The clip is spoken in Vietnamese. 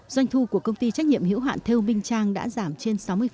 doanh thu của công ty trách nhiệm hữu hạn theo minh trang đã giảm trên sáu mươi